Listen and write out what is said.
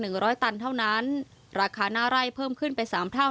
ร้อยตันเท่านั้นราคาหน้าไร่เพิ่มขึ้นไปสามเท่า